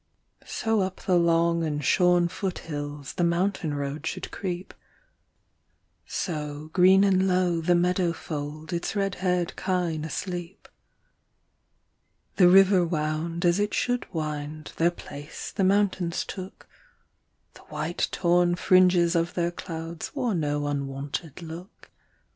So up the long and shorn foot hills The mountain road should creep; So, green and low, the meadow fold Its red haired kine asleep. The river wound as it should wind; Their place the mountains took; The white torn fringes of their clouds Wore no unwonted look.